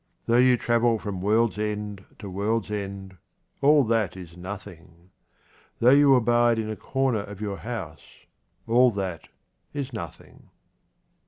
Though you travel from world's end to world's end, all that is nothing. Though you abide in a corner of your house, all that is nothing.